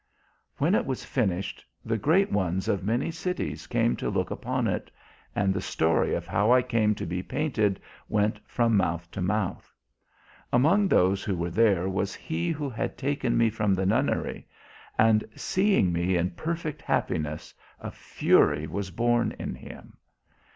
"When it was finished the great ones of many cities came to look upon it, and the story of how I came to be painted went from mouth to mouth. Among those who were there was he who had taken me from the nunnery, and, seeing me in perfect happiness, a fury was born in him.